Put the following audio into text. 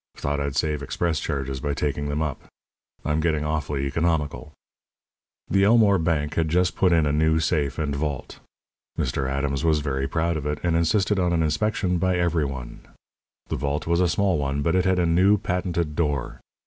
Thought I'd save express charges by taking them up. I'm getting awfully economical." The Elmore Bank had just put in a new safe and vault. Mr. Adams was very proud of it, and insisted on an inspection by every one. The vault was a small one, but it had a new, patented door.